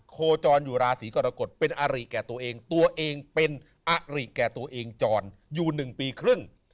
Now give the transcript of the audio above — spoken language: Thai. โคจรอยู่ราศีกรกฎเป็นอาริแก่ตัวเองตัวเองเป็นอริแก่ตัวเองจรอยู่๑ปีครึ่ง